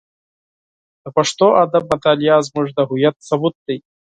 د پښتو ادب مطالعه زموږ د هویت ثبوت دی.